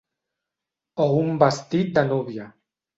O un vestit de núvia.